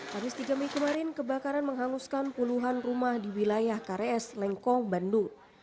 habis tiga minggu kemarin kebakaran menghaluskan puluhan rumah di wilayah krs lengkong bandung